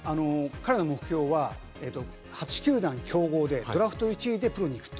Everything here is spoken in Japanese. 彼の目標は８球団競合でドラフト１位でプロに行く。